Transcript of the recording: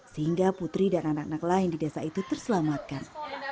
sehingga putri dan anak anak lain di desa itu terselamatkan